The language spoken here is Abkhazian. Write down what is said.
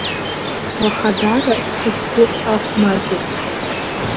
Уаха даара схы сгәы ақәмаҷуп.